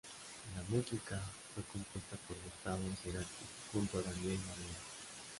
La música fue compuesta por Gustavo Cerati junto a Daniel Melero.